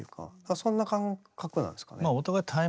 そんな感覚なんですよね。